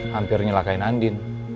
hampir nyelakain andin